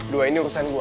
dua ini urusan gue